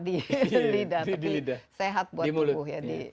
nikmat di lidah tapi sehat buat tubuh